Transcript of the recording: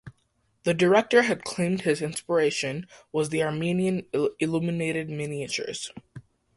The director had claimed his inspiration was the Armenian illuminated miniatures.